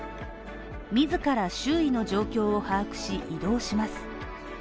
自ら周囲の状況を把握し、移動します。